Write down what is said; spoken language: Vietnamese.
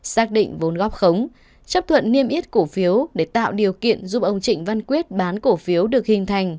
xác định vốn góp khống chấp thuận niêm yết cổ phiếu để tạo điều kiện giúp ông trịnh văn quyết bán cổ phiếu được hình thành